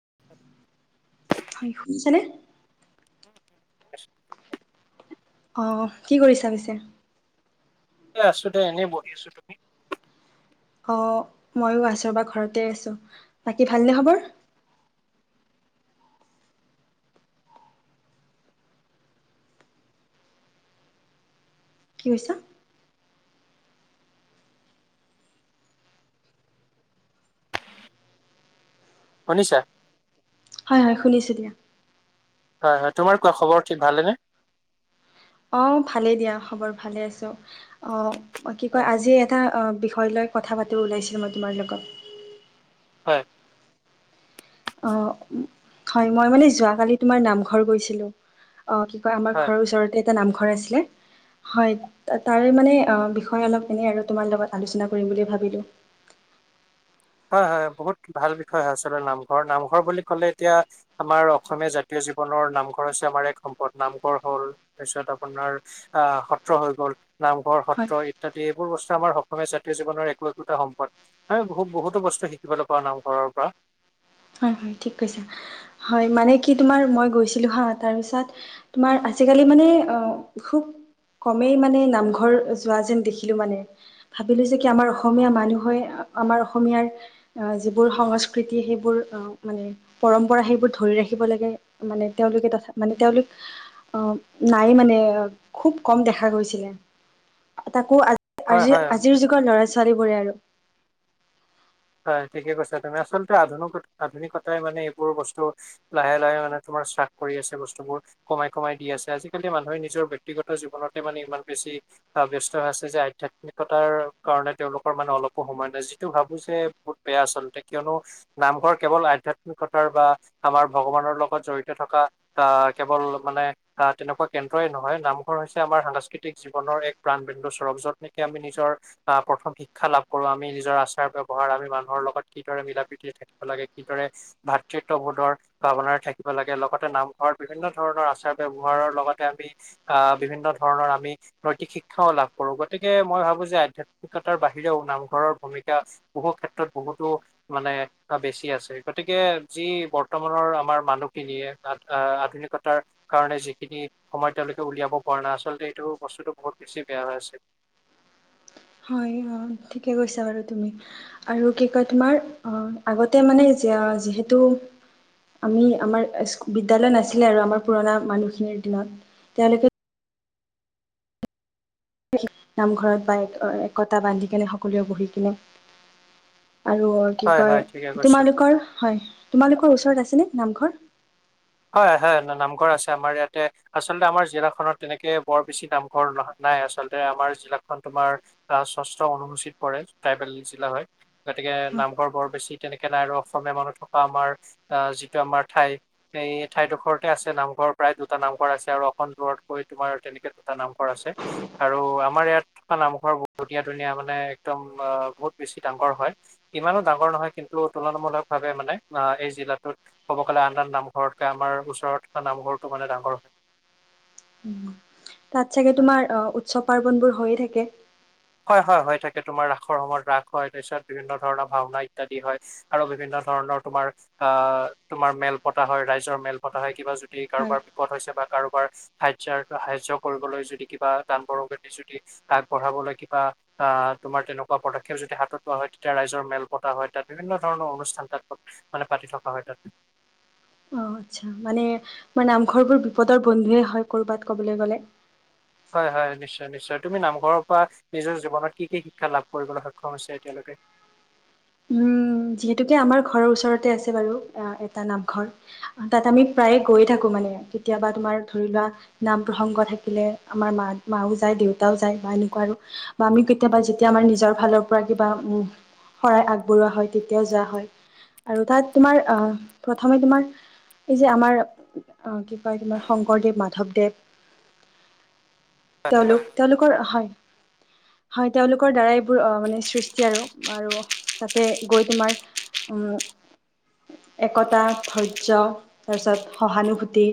[unintelligible] হয় শুনিছ নে? [unintelligible] অহ কি কৰিছা পিছে? এ আছো দে এনেই বহি আছো তুমি অ ময়ো আছো বা ঘৰতে আছো বাকী ভালনে খবৰ কি কৈছা? শুনিছা? হয় হয় শুনিছোঁ দিয়া। হয় হয় তোমাৰ কোৱা খবৰ ঠিক ভালেনে? অ ভালেই দিয়া খবৰ ভালে আছো অ কি কয় হয় আজি এটা অয় হয় লৈ কথা পাতিব ওলাইছিলো মই তোমাৰ লগত হয় অহ হয় মই মানে যোৱাকালি তোমাৰ নামঘৰ গৈছিলো অ কি কয় আমাৰ হয় ঘৰৰ ওচৰতে এটা নামঘৰ আছিলে হয় তাৰে মানে বিষয়ে অলপ এনেই আৰু তোমাৰ লগত আলোচনা কৰি বুলি ভাবিলোঁ [inaudible] হয় হয় হয় বহুত ভাল বিষয় হয় আচলতে নামঘৰ নামঘৰ বুলি কলে এতিয়া আমাৰ অসমীয়া জাতীয় জীৱনৰ নামঘৰ আছে আমাৰ এক সম্পদ নামঘৰ হ'ল তাৰপিছত আপোনাৰ আহ সত্ৰ হৈ গ'ল নামঘৰ হয় সত্ৰ ইত্যাদি এইবোৰ বস্তু আমাৰ অসমীয়া জাতীয় জীৱনৰ একো একোটা সম্পদ আমি বহুত বহুত বস্তু শিকিবলৈ পৰা নাই ঘৰৰ পৰা হয় হয় ঠিক কৈছা হয় মানে কি তোমাৰ মই গৈছিলো হা তাৰপিছত তোমাৰ আজিকালি মানে খুব কমেই মানে নামঘৰ যোৱা যেন দেখিলো মানে ভাবিলো যে কি আমাৰ অসমীয়া মানুহে আমাৰ অসমীয়াৰ যিবোৰ সংস্কৃতি সেইবোৰ মানে পৰম্পৰা সেইবোৰ ধৰি ৰাখিব লাগে মানে তেওঁলোকে তথা মানে তেওঁলোক আহ নাই মানে খুব কম দেখা গৈছিলে তাকো আ হয় আজ হয় আজিৰ যুগৰ ল'ৰা ছোৱালীবোৰে আৰু। হয় ঠিকে কৈছা তুমি আচলতে আধুনিক আধুনিকতাই মানে এইবোৰ বস্তু লাহে লাহে মানে তোমাৰ। শাস কৰি আছে বস্তুবোৰ কমাই কমাই দি আছে আজিকালি মানুহে নিজৰ ব্যক্তিগত জীৱনতে মানে ইমান বেছি। আহ ব্যস্তা হৈ আছে যে আধ্যয়াত্মিকতাৰ কাৰণে তেওঁলোকৰ মানে অলপো সময় নাই যিটো ভাবো যে। বহুত বেয়া আচলতে কিয়নো নামঘৰ কেৱল আধ্যয়াত্মিকতাৰ বা আমাৰ ভগৱানৰ লগত জড়িত। থকা আহ কেৱল মানে তেনেকুৱা কেন্দ্ৰই নহয় নামঘৰ হৈছে আমাৰ সাংস্কৃতিক জীৱনৰ। এক প্ৰাণ বুৰক যত নেকি আমি নিজৰ প্ৰথম শিকা লাভ কৰো আমি নিজৰ আচাৰ ব্যৱহাৰ আমি। মানুহৰ লগত কিদৰে মিলা প্ৰীতি থাকিব লাগে কিদৰে ভাতৃত্ববোধৰ ভাৱনাৰে থাকিব লাগে লগ। লগতে নামঘৰত বিভিন্ন ধৰণৰ আচাৰ ব্যৱহাৰৰ লগতে আমি আহ বিভিন্ন ধৰণৰ আমি নৈতিক। শিক্ষাও লাভ কৰো গতিকে মই ভাবো যে আধ্যাত্মিকতাৰ বাহিৰেও নামঘৰৰ ভূমিকা বহু ক্ষেত্ৰত। বহুতো মানে বেছি আছে গতিকে যি বৰ্তমানৰ আমাৰ মানুহখিনিয়ে। আধুনিকতাৰ কাৰণে যিখিনি সময়ত তেওঁলোকে উলিয়াব পৰা নাই আচলতে এইটো বস্তুতটো বহুত। বেছি বেয়া হৈ আছে। [inaudible] হয় অ ঠিকে কৈছা বাৰু তুমি আৰু কি কয় তোমাৰ অ আগতে মানে। এতিয়া যিহেতু। আমি আমাৰ বিদ্যালয় নাছিলে আৰু আমাৰ পুৰণা মানুহখিনিৰ দিনত তেওঁলোকে। নামঘৰত বা এক একতা বান্ধি কেনে সকলোৱে বহি কিনে। আৰু কি হয় কয় হয় ঠিকে কৈছে তোমালোকৰ হয় তোমালোকৰ ওচৰত আছে নে নামঘৰ। হয়, হয়, হয় নামঘৰ আছে আমাৰ ইয়াতে আচলতে আমাৰ জিলাখনত তেনেকে বৰ বেছি নামঘৰ নহয়। নাই আচলতে আমাৰ জিলাখন তোমাৰ স্বচ অনুসূচিত পৰে ট্ৰাইবেল জিলা হয় তাতে। নামঘৰ বৰ বেছি তেনেকে নাই আৰু অসমীয়া মানুহ থকা আমাৰ আহ যিটো আমাৰ ঠাই। এই ঠাইডোখৰতে আছে নামঘৰ প্ৰায় দুটা নামঘৰ আছে আৰু অসম দূৰতকৈ তোমাৰ তেনেকে দুটা নামঘৰ আছে। আৰু আমাৰ ইয়াত নামঘৰৰ ধুনীয়া ধুনীয়া মানে একদম বহুত বেছি ডাঙৰ হয়। ইমানো ডাঙৰ নহয় কিন্তু তুলনামূলক ভাৱে মানে অ এই জিলাত ক'ব গ'লে আন আন নাম। ঘৰতকৈ আমাৰ ওচৰত থকা নামঘৰটো মানে ডাঙৰ হয়। তাত চাগে তোমাৰ আহ উৎসৱ পাৰ্বনবোৰ হৈয়ে থাকে। হয়, হয়, হয় থাকে তোমাৰ ৰাসৰ সময়ত ৰাস হয় তাৰপিছত বিভিন্ন ধৰণৰ ভাওনা ইত্যাদি হয় আৰু বিভিন্ন ধৰণ। তোমাৰ হয়ই মেল পতা হয় ৰাইজৰ মেল পতা হয় কাৰ হয় বা বিপত হৈছে বা। কাৰোবাৰ সাহ্যাৰ সাহা্য কৰিবলৈ যদি কিবা দান বৰঙদি যদি আগবঢ়াবলৈ। বা আহ তোমাৰ তেনেকুৱা পদক্ষেপ যতিদি হাতত পোৱা হয় তেতিয়া ৰাইজৰ মেল পতা হয় তাত বিভিন্ন ধৰণৰ অনুষ্ঠান। তাত মানে পাতি থকা হয় তাত। উ [unintelligible] অ আচ্ছা। মানে মোৰ নামঘৰবোৰ বিপদৰ বন্ধুৱে হয় কৰবাত কবলৈ গ'লে। হয়-হয়, নিশ্চয়-নিশ্চয়। তুমি নামঘৰৰ পৰা নিজৰ জীৱনত কি কি শিক্ষা লাভ কৰিবলৈ সক্ষম হৈছে এতিয়ালৈকে? অকে। উম। উ যিহেতুকে আমাৰ ঘৰৰ ওচৰতে আছে বাৰু এটা নামঘৰ। তাত আমি প্ৰায়ে গৈ থাকো। মানে কেতিয়াবা তোমাৰ ধৰি লোৱা নাম প্ৰসংগ থাকিলে আমাৰ মা মাও যায়, দেউতাও যায়। বা এনেকুৱা আৰু বা আমি কেতিয়াবা যেতিয়া আমাৰ নিজৰ ফালৰ পৰা কিবা শৰাই আগবঢ়োৱা হয় তেতিয়া যোৱা হয় আৰু তাত তোমাৰ আহ প্ৰথমে তোমাৰ এই যে আমাৰ আহ কি কয় তোমাৰ শংকৰদেৱ, মাধৱদেৱ তেওঁলোক তেওঁলোকৰ, হয়। হয়। তেওঁলোকৰ দ্বাৰাই এইবোৰ আহ মানে সৃষ্টি আৰু আৰু তাতে গৈ তোমাৰ উম একতা, ধৈৰ্য তাৰপিছত সহানুভূতি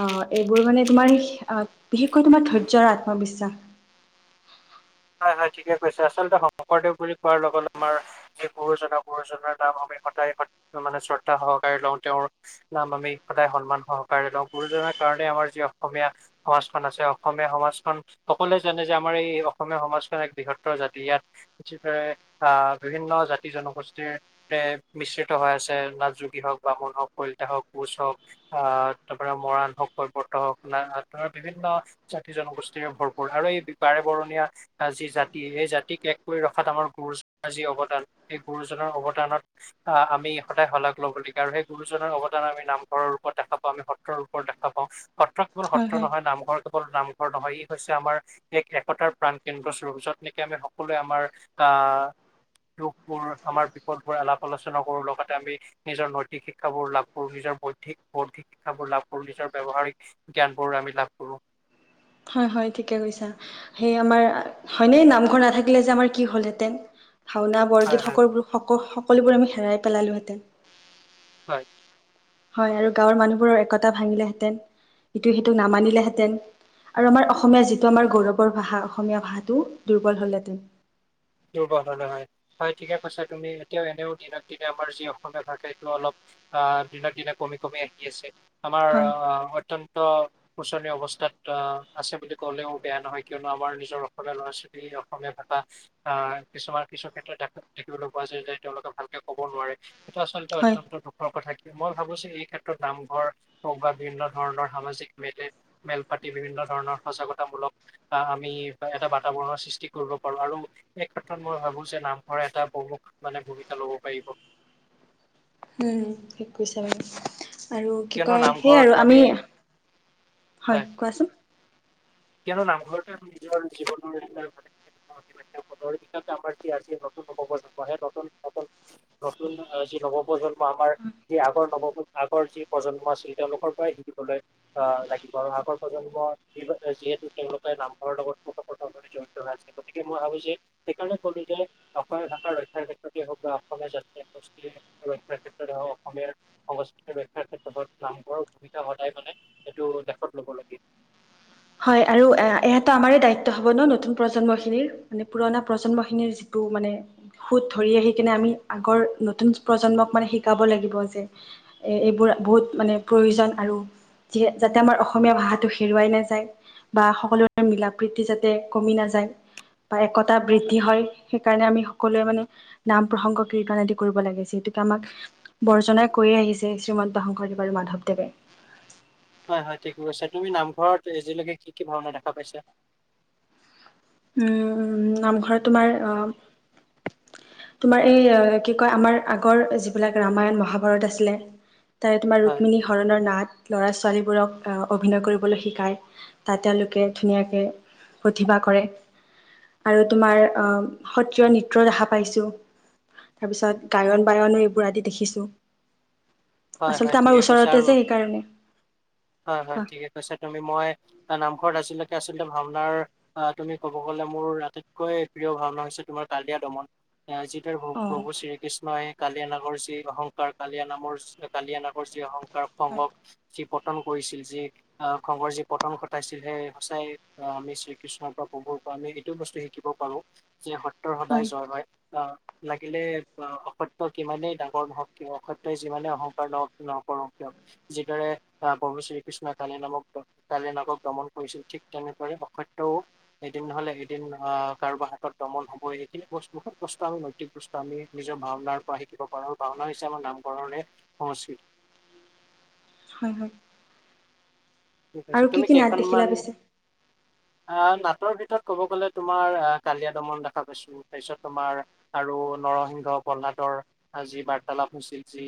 আহ এইবোৰ মানে তোমাৰ বিশেষকৈ তোমাৰ ধৈৰ্য্য আৰু আত্মবিশ্বাস। হয়-হয়, ঠিকে কৈছা। আচলতে শংকৰদেৱ বুলি কোৱাৰ লগত আমাৰ যি গুৰুজনা গুৰুজনাৰ নাম আমি স সদায় মানে শ্ৰদ্ধা সহকাৰে লওঁ। তেওঁৰ নাম আমি সদায় সন্মান সহকাৰে লওঁ। গুৰুজনাৰ কাৰণে আমাৰ যি অসমীয়া সমাজখন আছে, অসমীয়া সমাজখন সকলোৱে জানে যে আমাৰ এই অসমীয়া সমাজ এক বৃহত্তৰ জাতি। ইয়াত বিচিত্ৰৰে আহ বিভিন্ন জাতি- জনগোষ্ঠীৰ এক মিশ্ৰ মিশ্ৰিত হৈ আছে। নাথ যোগী হওক বামুণ হওক, কলিতা হওক, কোচ হওক আহ তাৰ পৰা মৰাণ হওক হৰ্টো হওক না আন বিভিন্ন জাতি-জনগোষ্ঠীৰে ভৰপূৰ আৰু এই বাৰে বৰণীয়া যি জাতি এই জাতিক এক কৰি ৰখাত আমাৰ গুৰুজনাৰ যি অৱদান, এই গুৰুজনাৰ অৱদানত আহ আমি সদায় শলাগ ল'ব লাগিব। আৰু সেই গুৰুজনৰ অৱদান আমি নামঘৰৰ ৰূপত দেখা পাওঁ, আমি সত্ৰৰ ৰূপত দেখা পাওঁ। সত্ৰ কেৱল হয় সত্ৰ হয় নহয় নামঘৰ কেৱল নামঘৰ নহয়। ই হৈছে আমাৰ এক একতাৰ প্ৰাণ। কেন্দ্ৰ চুৰ যত নেকি আমি সকলোৱে আমাৰ আহ দুখবোৰ আমাৰ বিপদবোৰ আলাপ আলোচনা কৰো লগতে আমি নিজৰ নৈতিক শিক্ষাবোৰ লাভ কৰো। নিজৰ বৌদ্ধিক, বৌদ্ধিক শিক্ষাবোৰ লাভ কৰো। নিজৰ ব্যৱহাৰিক জ্ঞান বোৰো আমি লাভ কৰো। [inaudible] হয়-হয়, ঠিকে কৈছা। সেই আমাৰ হয়নে নামঘৰ নাথাকিলে যে আমাৰ কি হ'লহেঁতেন। ভাওঁনা, হয় বৰগীত হয় সকলোবোৰ সো সকলোবোৰ আমি হেৰাই পেলালোহেঁতেন। হয়। হয় আৰু গাঁৱৰ মানুহবোৰৰ একতা ভাঙিলেহেঁতেন। ইটোৱে সিটোক নামানিলেহেঁতেন। আৰু আমাৰ অসমীয়া যিটো আমাৰ গৌৰৱৰ ভাষা অসমীয়া ভাষাটো দুৰ্বল হলহেঁতেন। দুৰ্বল হলে হয়। হয়, ঠিকে কৈছা তুমি। এতিয়াও এনেও দিনক দিনে আমাৰ যি অসমীয়া ভাষা এইটো অলপ আহ দিনক দিনে কমি কমি আহি আছে। আমাৰ হয় আহ অত্যন্ত শোচনীয় অৱস্থাত অ আছে বুলি ক'লেও বেয়া নহয়। কিয়নো আমাৰ নিজৰ অসমীয়া ল'ৰা-ছোৱালী অসমীয়া ভাষা আহ কিছুমান কিছু ক্ষেত্ৰত দেখিবলৈ পোৱা যায় যে তেওঁলোকে ভালকে ক'ব নোৱাৰে। সেইটো আচলতে হয় অত্যন্ত দুখৰ কথা কি মই ভাবোঁ যে এই ক্ষেত্ৰত নামঘৰ হওঁক বা বিভিন্ন ধৰণৰ সামাজিক মে মেল পাতি বিভিন্ন ধৰণৰ সজাগতামূলক আহ আমি এটা বাতাবৰণৰ সৃষ্টি কৰিব পাৰো। আৰু এই ক্ষেত্ৰত মই ভাবোঁ যে নামঘৰ এটা বহুমুখ মানে ভূমিকা ল'ব পাৰিব। উম, ঠিক কৈছা বাৰু। আৰু কি কিয়নো কয়? সেই আৰু নামঘৰত আমি, হয় কোৱাচোন। কিয়নো নামঘৰটো নিজৰ জীৱনৰ এটা [unintelligible] যি নতুন হ' সেই নতুন নতু নতুন নৱপ্ৰজন্ম আমাৰ যি আগৰ নৱপ্ৰ আগৰ যি প্ৰজন্ম আছিল তেওঁলোকৰ পৰাই শিকিবলৈ আহ লাগিব আৰু আগৰ প্ৰজন্ম য যিহেতু তেওঁলোকে নামঘৰ লগত কপথ জড়িত হৈ আছে। গতিকে মই ভাবো যে সেইকাৰণে ক'লো যে অসমীয়া ভাষাৰ ৰক্ষ ক্ষাৰ ক্ষেত্ৰতে হওঁক বা অসমীয়া জাতিৰ সংস্কৃতি ৰক্ষাৰ ক্ষেত্ৰতে হওঁক, অসমীয়া সংস্কৃতি ৰক্ষাৰ ক্ষেত্ৰতে লগত নামঘৰৰ ভূমিকা সদায় মানে সেইটো লেখত লবলগীয়া। হয় আৰু এয়াটো আমাৰ দায়িত্ব হ'ব ন নতুন প্ৰজন্মখিনিৰ মানে পুৰণা প্ৰজন্মখিনিৰ যি মানে সুত ধৰি আহি কিনে আমি আগৰ নতুন প্ৰজন্মক মানে শিকাব লাগিব, যে এইবোৰ বহুত মানে প্ৰয়োজন আৰু যি যাতে আমাৰ অসমীয়া ভাষাটো হেৰুৱাই নাযায়। বা সকলোৰে মিলা প্ৰীতি যাতে কমি নাযায়। বা একতা বৃদ্ধি হয়। সেই কাৰণে আমি সকলোৱে মানে নাম প্ৰসংগ কীৰ্তন আদি কৰিব লাগে ।যি গতিকে আমাক বৰ্জনাই কৰি আহিছে শ্ৰীমন্ত শংকৰদেৱ আৰু মাধৱদেৱে হয়-হয়, ঠিকে কৈছা। তুমি নামঘৰত আজিলৈকে কি কি ভাওনা দেখা পাইছা? উম নামঘৰত তোমাৰ অ তোমাৰ এই কি কয় আমাৰ আগৰ যিবিলাক ৰামায়ণ মহাভাৰত আছিলে। তাৰে তোমাৰ হয় ৰুক্মিণী হৰণৰ নাট ল'ৰা ছোৱালীবোৰক অভিনয় কৰিবলৈ শিকায়। তাত তেওঁলোকে ধুনীয়াকে প্ৰতিভা কৰে। আৰু তোমাৰ অহ সত্ৰীয় নৃত্য দেখা পাইছো। তাৰপিছত গায়ন বায়নো এইবোৰ আদি দেখিছোঁ। হয় আচলতে হয় আমাৰ ঠিকে কৈছা ওচৰতে আৰু যে সেইকাৰণে হয় হয় কোৱা ঠিকে কৈছা তুমি। মই নামঘৰত আজিলৈকে আচলতে ভাওনাৰ আহ তুমি ক'ব গলে মোৰ আটাইতকৈ প্ৰিয় ভাওনা হৈছে তোমাৰ কালীয়া দমন। যিদাৰে অ প্ৰভু শ্ৰীকৃষ্ণই কালিয়া নাগৰ যি অহংকাৰ কালিয়া নামৰ কালিয়ানাগৰ যি অহংকাৰ হয় সংগক পটন কৰিছিল ।যি, আহ খঙৰ যি পতন ঘটাইছিল সেই সঁচাই আমি শ্ৰীকৃষ্ণৰ পৰা বহু আমি এইটো বস্তু শিকিব পাৰো যে সত্যৰ সদায় জয় হয়। অ লাগিলে, অ, অসত্য কিমানেই ডাঙৰ নহওক কিয় অসত্যই যিমানেই অহং কাৰ নকৰক কিয়। যিদৰে আহ প্ৰভু শ্ৰীকৃষ্ণই কালিয়া নামক কালিয়া নাগক দমন কৰিছিল ঠিক তেনেদৰে অসত্যও এদিন নহলে এদিন আহ কাৰোবাৰ হাতত দমন হ'বই। এইখিনি বহুত কষ্ট আমি নৈতিক কষ্ট আমি নিজৰ ভওনাৰ পৰা শিকিব পাৰো। ভাওনা হৈছে আমাৰ নামঘৰৰে সংস্কৃতি। হয় হয়। ঠিক আছে। আৰু কি তুমি কি নাট দেখিলা কেইখনমান পিছে আহ নাটৰ ভিতৰত ক'ব গ'লে তোমাৰ আহ কালিয় দমন দেখা পাইছো, তাৰপিছত তোমাৰ আৰু নৰসিংহ, প্ৰহ্লাদৰ যি বাৰ্তালাপ হৈছিল যি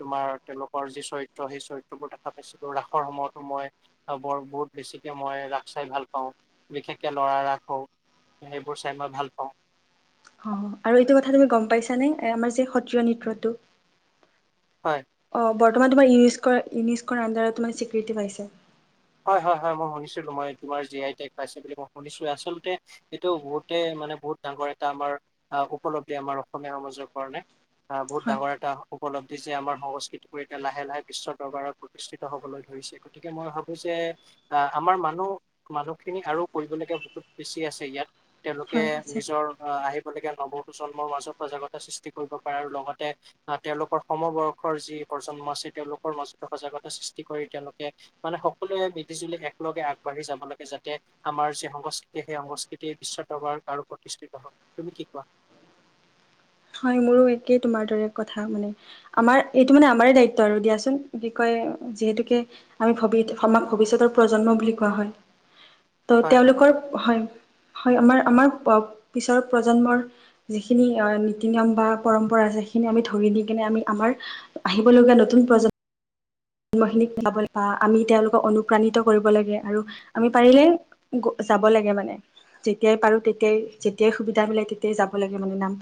তোমাৰ তেওঁলোকৰ যি চৰি ত্ৰ সেই চৰিত্ৰ বোৰ দেখা পাইছিলো। ৰাসৰ সময়তো মই বৰ বহুত বেছিকে মই ৰাস চাই ভাল পাওঁ। বিশেষকে লৰা ৰাস সৰু। এইবোৰ চাই মই ভাল পাওঁ। অ আৰু এইটো কথা তুমি গম পাইছা নে? আমাৰ যে সত্ৰীয়া নৃত্যটো। হয়। অ' বৰ্তমান তোমাৰ ইউনেস্কোৰ ইউনেস্কোৰ আণ্ডাৰত তোমাৰ স্বীকৃতি পাইছে। হয় -হয় -হয়, মই শুনিছিলো। মই তোমাৰ জি আই টেগ পাইছে বুলি মই শুনিছো ।আচলতে এইটো বহুতে মানে বহুত ডাঙৰ এটা আমাৰ উপলব্ধি আমাৰ অসমীয়া সমাজৰ কাৰণে। আহ বহুত হয়, ডাঙৰ এটা উপ লব্ধি যে আমাৰ সংস্কৃতিবোৰ এতিয়া লাহে লাহে বিশ্ব দৰবাৰত প্ৰতিষ্ঠিত হ'বলৈ ধৰিছে গতিকে মই ভাবোঁ যে আহ আমাৰ মানুহ মানুহখিনি আৰু কৰিবলাগীয়া বহুত বেছি আছে ইয়াত তেওঁলোকে হয় আছে। নিজৰ আহ আহিব গতিকে নৱপ্ৰজন্মৰ মাজত সজাগতা সৃষ্টি কৰিব পাৰে আৰু লগতে আহ তেওঁলোকৰ সমবৰ্ষৰ যি প্ৰজন্ম আছে তেওঁলোকৰ মাজতো সজাগতা সৃষ্টি কৰি তেওঁলোকে মানে সকলোৱে মিলিজুলি একলগে আগবাঢ়ি যাব লাগে যাতে আমাৰ যি সংস্কৃতি সেই সংস্কৃতি বিশ্ব দৰবাৰ আৰু প্ৰতিষ্ঠিত হয় ।তুমি কি কোৱা? [inaudible] হয় মোৰো একেই তোমাৰ দৰে কথা মানে। আমাৰ এইটো মানে আমাৰে দায়িত্ব আৰু দিয়াচোন ।কি কয় যিহেতুকে আমি ভৱি ভৱিষ্যতৰ প্ৰজন্ম বুলি কোৱা হয়। ত' হয় হয় তেওঁলোকৰ, হয় -হয়, আমাৰ আমাৰ পিছৰ প্ৰজন্মৰ যিখিনি নীতি-নিয়ম নিয়ম বা পৰম্পৰা আছে। সেইখিনি আমি ধৰি দি কেনে আমি আমাৰ আহিবলগীয়া নতুন প্ৰজন্ম জন্মখিনিকবা ল বা আমি তেওঁলোকক অনুপ্ৰাণিত কৰিব লাগে আৰু আমি পাৰিলে যাব লাগে মানে। যেতিয়াই পাৰো তেতিয়াই যেতিয়াই সুবিধা মিলে তেতিয়াই যাব লাগে মানে নাম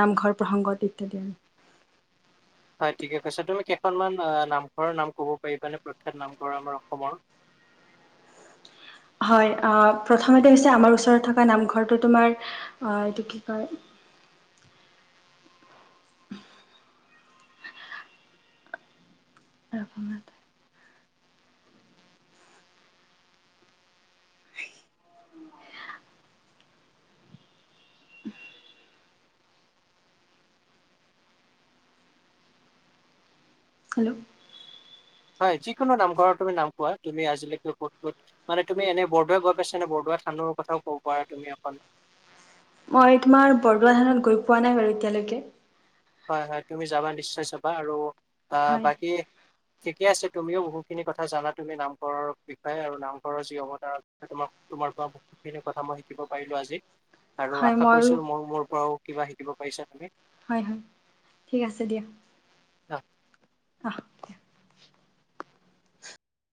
নামঘৰ প্ৰসংগত ইত্যাদি আৰু। [inaudible] হয় ঠিকে কৈছা তুমি, কেইখনমান নামঘৰৰ নাম ক'ব পাৰিবানে প্ৰাতেক নামঘৰ আমাৰ অসমৰ? উ [unintelligible] হয়, প্ৰথমতে হৈছে আমাৰ ওচৰতে থকা নামঘৰটো তোমাৰ এইটো কি কয় [inaudible] ৰাপাইত। উ [unintelligible] [unintelligible] হয় যিকোনো নামঘৰ তুমি নাম কোৱা তুমি আজিলৈকে ক'ত ক'ত মানে এনে বৰদোৱা গৈ পাইছ নে বৰদোৱা ধানৰ কথাও ক'ব পাৰা তুমি অকৌ মই তোমাৰ বৰদোৱা থানত গৈ পোৱা নাই বাৰু এতিয়ালৈকে। হয় হয় তুমি যাবা নিশ্চয় চাবা আৰু আহ হয় বাকী ঠিকে আছে তুমিও বহুখিনি কথা জানা তুমি নামঘৰৰ বিষয়ে আৰু নামঘৰৰ যি অৱতাৰ তোমাক বহুতখিনি কথা মই শিকিব পাৰিলো আজি। আৰু হয় আশা ময়ো কৰিছো মোৰ, মোৰ পৰাও কিবা শিকিব পাৰিছা তুমি। হয় হয় ঠিক আছে দিয়া। [inaudible] অফ [unintelligible]